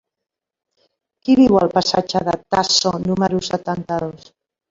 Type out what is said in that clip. Qui viu al passatge de Tasso número setanta-dos?